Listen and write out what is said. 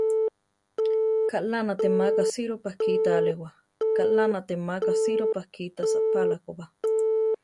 Kaʼlá natémaka sirópa kita alewá; kaʼlá natémaka sirópa kita saʼpála koba.